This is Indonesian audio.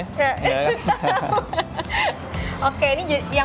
oke ini yang sudah jadinya